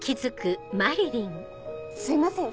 すいません